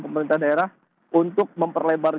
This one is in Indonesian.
pemerintah daerah untuk memperlebar